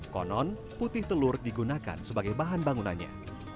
konon putih telur digunakan sebagai bahan bangunannya